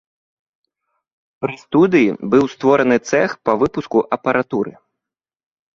Пры студыі быў створаны цэх па выпуску апаратуры.